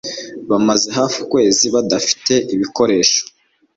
Bamaze hafi ukwezi badafite ibikoresho